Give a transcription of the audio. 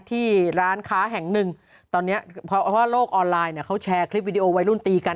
ที่ร้านค้าแห่งหนึ่งตอนเนี้ยเพราะว่าโลกออนไลน์เนี่ยเขาแชร์คลิปวิดีโอวัยรุ่นตีกัน